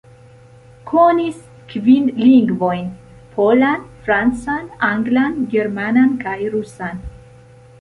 Konis kvin lingvojn: polan, francan, anglan, germanan kaj rusan.